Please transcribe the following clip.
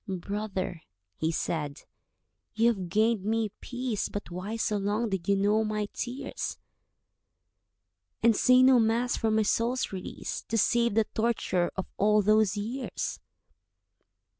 "Brother," he said, "you have gained me peace, But why so long did you know my tears, And say no Mass for my soul's release, To save the torture of all those years?"